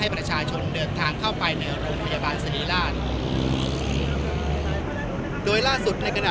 บริการแบบนี้ก็ยิ่ง